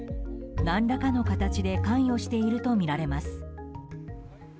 何らかの形で関与しているとみられます。